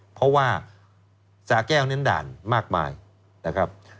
เพราะว่าสาแก้วเน้นด่านมากมายนะครับ